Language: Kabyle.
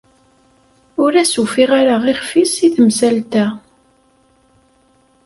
Ur as-ufiɣ ara ixf-is i temsalt-a.